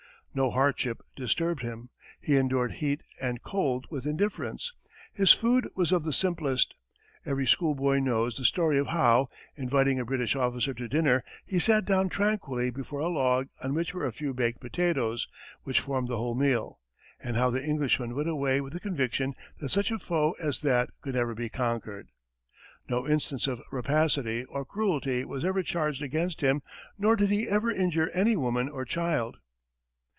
No hardship disturbed him; he endured heat and cold with indifference; his food was of the simplest. Every school boy knows the story of how, inviting a British officer to dinner, he sat down tranquilly before a log on which were a few baked potatoes, which formed the whole meal, and how the Englishman went away with the conviction that such a foe as that could never be conquered. No instance of rapacity or cruelty was ever charged against him, nor did he ever injure any woman or child.